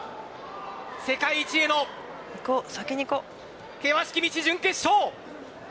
世界一への険しき道、準決勝。